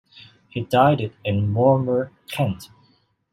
He died in Walmer, Kent.